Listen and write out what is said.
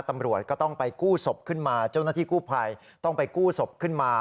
ตำรวจก็ต้องไปกู้ศพขึ้นมาเจ้าหน้าที่กู้ภัยต้องไปกู้ศพขึ้นมา